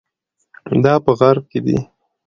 دا په غرب کې دي.